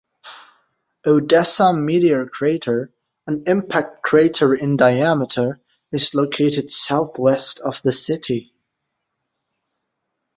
Odessa Meteor Crater, an impact crater in diameter, is located southwest of the city.